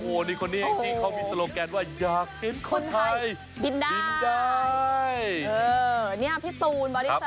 โอ้โห้นึกว่าใคร